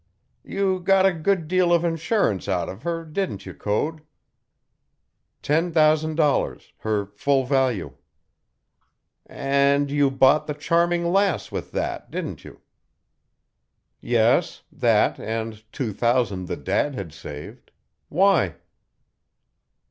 "You got a good deal of insurance out of her, didn't you, Code?" "Ten thousand dollars her full value." "And you bought the Charming Lass with that, didn't you?" "Yes that and two thousand that dad had saved. Why?"